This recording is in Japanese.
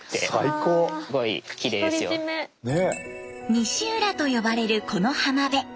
西浦と呼ばれるこの浜辺。